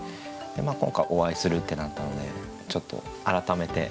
今回お会いするってなったのでちょっと改めて歌集も読ませて頂いて。